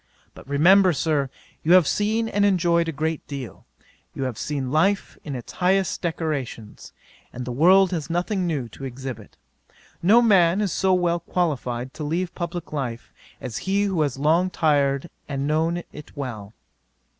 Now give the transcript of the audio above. But remember, Sir, you have seen and enjoyed a great deal; you have seen life in its highest decorations, and the world has nothing new to exhibit. No man is so well qualifyed to leave publick life as he who has long tried it and known it well.